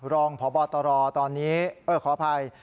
รองพบตรตอนนี้ขออภัย